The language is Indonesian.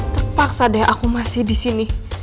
terpaksa deh aku masih disini